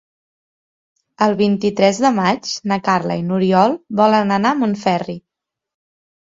El vint-i-tres de maig na Carla i n'Oriol volen anar a Montferri.